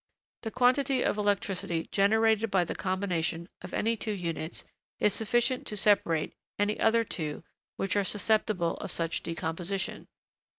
The quantity of electricity generated by the combination of any two units is sufficient to separate any other two which are susceptible of such decomposition.